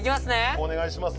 「お願いします」